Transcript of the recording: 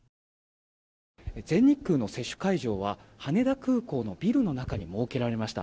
全日空の接種会場は羽田空港のビルの中に設けられました。